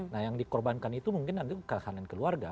nah yang dikorbankan itu mungkin nanti ketahanan keluarga